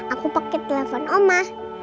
aku pakai telepon oma